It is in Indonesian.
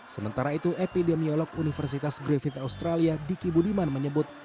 sementara itu epidemiolog universitas griffith australia diki budiman menyebut